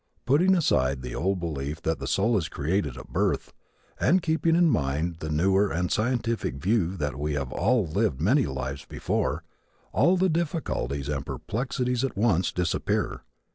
Putting aside the old belief that the soul is created at birth, and keeping in mind the newer and scientific view that we have all lived many lives before, all the difficulties and perplexities at once disappear.